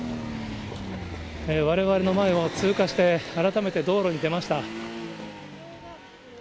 われわれの前を通過して、改めて道路に出ました。